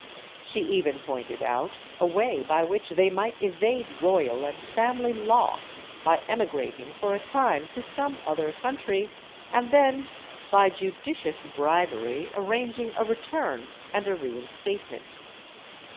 She even pointed out a way by which they might evade royal and family law by emigrating for a time to some other country, and then, by judicious bribery, arranging a return and a reinstatement.